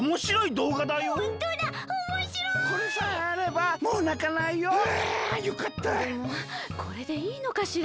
でもこれでいいのかしら。